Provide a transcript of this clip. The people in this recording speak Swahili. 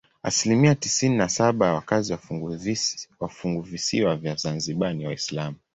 Asilimia tisini na saba ya wakazi wa funguvisiwa vya Zanzibar ni Waislamu.